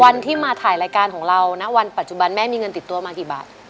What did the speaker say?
วันที่มาถ่ายรายการของเรานะวันปัจจุบันแม่มีเงินติดตัวมากี่บาท